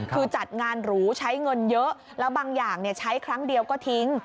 คือจัดงานหรูใช้เงินเยอะแล้วบางอย่างใช้ครั้งเดียวก็ทิ้ง